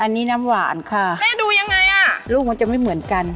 อันนี้น้ำหวานค่ะแม่ดูยังไงอ่ะลูกมันจะไม่เหมือนกัน